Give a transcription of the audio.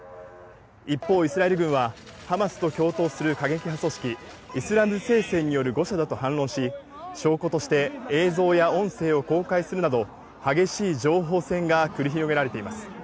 一方、イスラエル軍は、ハマスと共闘する過激派組織イスラム聖戦による誤射だと反論し、証拠として映像や音声を公開するなど、激しい情報戦が繰り広げられています。